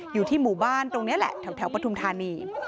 อยู่ที่หมู่บ้านตรงนี้แหละแถวปฐุมธานี